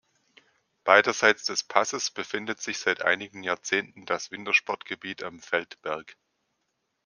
Beiderseits des Passes befindet sich seit einigen Jahrzehnten das Wintersportgebiet am Feldberg.